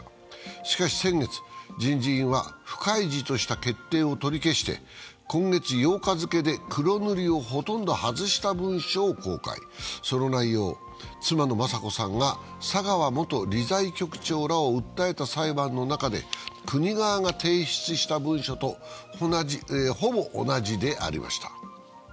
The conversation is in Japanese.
しかし、先月、人事院は不開示とした決定を取り消して今月８日付で黒塗りをほとんど外した文書を公開その内容、妻の雅子さんが佐川元理財局長らを訴えた裁判の中で国側が提出した文書とほぼ同じでありました。